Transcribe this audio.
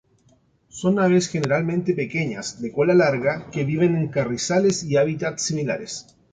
Son aves generalmente pequeñas, de cola larga, que viven en carrizales y hábitats similares.